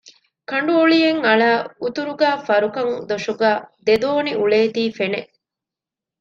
ކަނޑު އޮޅިއެއް އަޅައި އުތުރުގައި ފަރުކަން ދޮށުގައި ދެ ދޯނި އުޅޭތީ ފެނެ